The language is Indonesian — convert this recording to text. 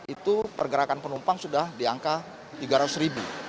itu pergerakan penumpang sudah di angka tiga ratus ribu